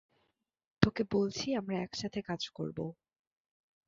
তোকে বলছি, আমরা একসাথে কাজ করবো।